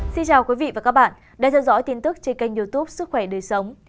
xin chào quý vị và các bạn đang theo dõi tin tức trên kênh youtube sức khỏe đời sống